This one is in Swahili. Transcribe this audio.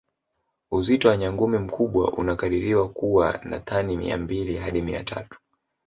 Uzito wa nyangumi mkubwa unakadiriwa kuwa wa tani Mia mbili hadi Mia tatu